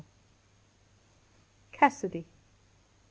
CASSIDY.